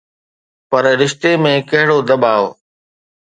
پر رشتي ۾ ڪهڙو دٻاءُ؟